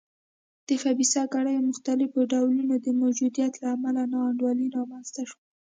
د خبیثه کړۍ مختلفو ډولونو د موجودیت له امله نا انډولي رامنځته شوه.